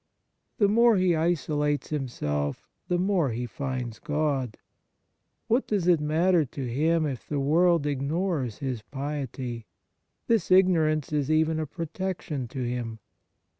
The more he isolates himself, the more he finds God. What does it matter to him if the world ignores his piety ? This ignorance is even a protection to him.